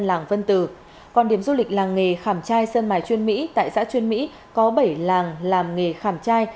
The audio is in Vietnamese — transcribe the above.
làng vân từ còn điểm du lịch làng nghề khảm trai sơn mài chuyên mỹ tại xã chuyên mỹ có bảy làng làm nghề khảm trai